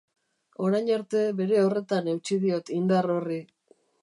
Orain arte bere horretan eutsi diot indar horri.